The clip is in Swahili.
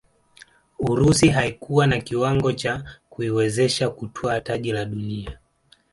urusi haikuwa na kiwango cha kuiwezesha kutwaa taji la dunia